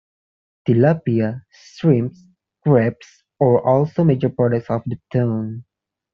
Tilapia, shrimp, crabs are also major products of the town.